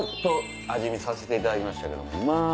味見させていただきましたけど。